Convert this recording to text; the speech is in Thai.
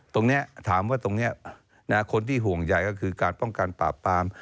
ตรงนี้ถามว่าตรงนี้คนที่ห่วงใหญ่ก็คือการป้องกันปราบปราม